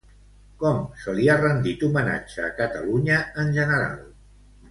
Com se li ha rendit homenatge a Catalunya en general?